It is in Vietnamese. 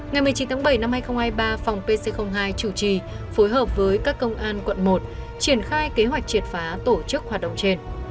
ngày một mươi chín tháng bảy năm hai nghìn hai mươi ba phòng pc hai chủ trì phối hợp với các công an quận một triển khai kế hoạch triệt phá tổ chức hoạt động trên